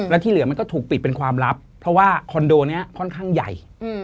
และที่เหลือมันก็ถูกปิดเป็นความลับเพราะว่าคอนโดนี้ค่อนข้างใหญ่